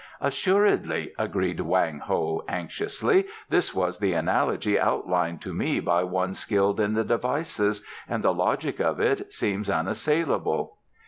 "Assuredly," agreed Wang Ho anxiously. "Thus was the analogy outlined to me by one skilled in the devices, and the logic of it seems unassailable."